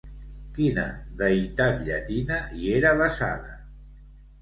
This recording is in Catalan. Quina deïtat llatina hi era basada?